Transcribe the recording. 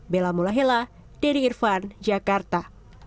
bella mulahela dari irfan jakarta